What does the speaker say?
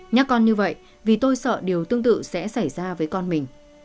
nhắc con như vậy vì tôi sợ điều tương tự sẽ xảy ra với con mình